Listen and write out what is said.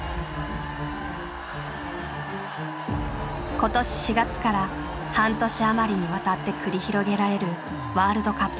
今年４月から半年余りにわたって繰り広げられるワールドカップ。